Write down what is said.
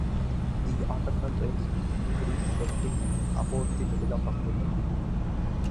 The autumnal rains in Greece set in about the middle of October.